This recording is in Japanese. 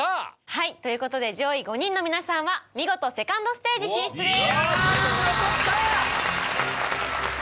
はいということで上位５人の皆さんは見事セカンドステージ進出です。